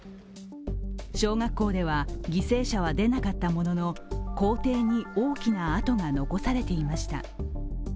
小学校では犠牲者は出なかったものの校庭に大きな跡が残されていました。